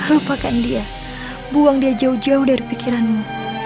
lupakan dia buang dia jauh jauh dari pikiranmu